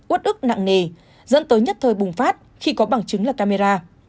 út ức nặng nề dẫn tới nhất thời bùng phát khi có bằng chứng là camera